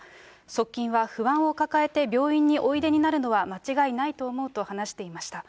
側近は、不安を抱えて病院においでになるのは間違いないと思うと話していました。